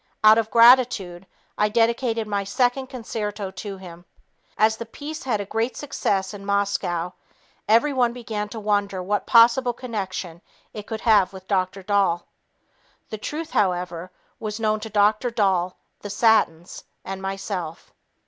Out of gratitude, I dedicated my second concerto to him. As the piece had a great success in Moscow, everyone began to wonder what possible connection it could have with Dr. Dahl. The truth, however, was known to Dr. Dahl, the Satins, and myself."